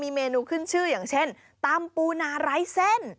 เมนูขึ้นชื่ออย่างเช่นตำปูนาไร้เส้น